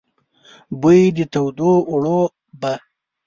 بوی د تودو اوړو به،